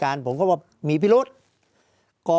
ภารกิจสรรค์ภารกิจสรรค์